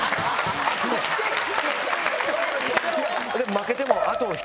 負けても。